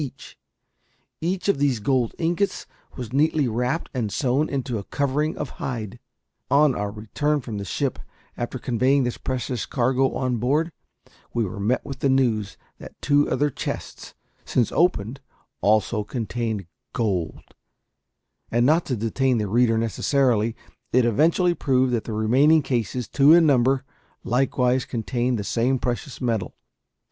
Each of these gold ingots was neatly wrapped and sewn into a covering of hide. On our return from the ship, after conveying this precious cargo on board, we were met with the news that two other chests, since opened, also contained gold; and, not to detain the reader necessarily, it eventually proved that the remaining cases, two in number, likewise contained the same precious metal.